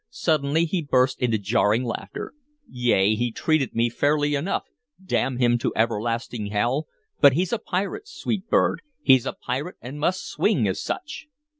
Suddenly he burst into jarring laughter. "Yea, he treated me fairly enough, damn him to everlasting hell! But he 's a pirate, sweet bird; he's a pirate, and must swing as such!"